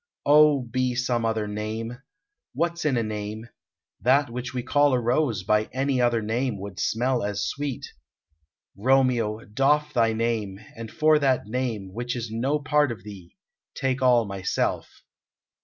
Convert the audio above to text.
O, be some other name! What's in a name? That which we call a rose by any other name would smell as sweet.... Romeo, doff thy name, and for that name which is no part of thee, take all myself!"